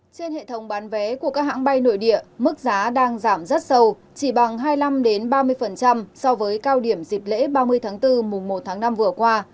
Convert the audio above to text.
trên hệ thống bán vé của các hãng bay nội địa mức giá đang giảm rất sâu chỉ bằng hai mươi năm ba mươi so với cao điểm dịp lễ ba mươi tháng bốn mùa một tháng năm vừa qua